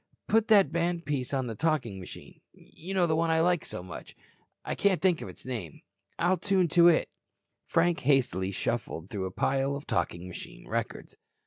Put that band piece on the talking machine. You know the one I like so much. I can't think of its name. I'll tune to it." Frank hastily shuffled through a pile of talking machine records.